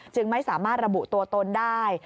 จึงไม่สามารถระบุตัวตนได้